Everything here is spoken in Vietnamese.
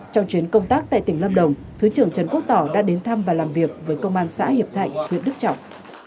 trong chuyến công tác tại tỉnh lâm đồng thứ trưởng trần quốc tỏ đã đến thăm và làm việc với công an xã hiệp thạnh huyện đức trọng